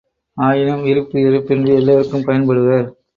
ஆயினும் விருப்பு வெறுப்பின்றி எல்லோருக்கும் பயன்படுவர்.